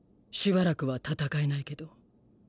しばらくは戦えないけど。